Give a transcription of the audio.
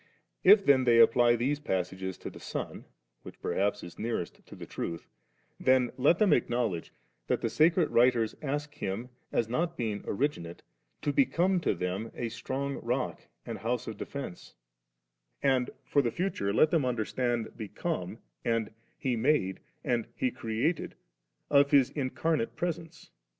If then they apply these passages to the Son, which perhaps is nearest to the truth, then let them acknowledge that the sacred writers ask Him, as not being originate, to become to them 'a strong rode and house of defence ;' and for the future let them understand * become,* and * He made,' and • He created,' of His incarnate presence.